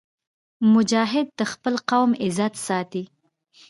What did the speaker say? مجاهد د خپل قوم عزت ساتي.